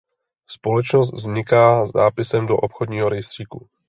Společnost vzniká zápisem do obchodního rejstříku.